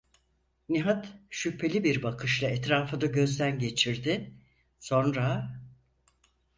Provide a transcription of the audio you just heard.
Nihat şüpheli bir bakışla etrafını gözden geçirdi, sonra: